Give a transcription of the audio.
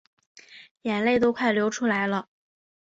眼泪都快流出来了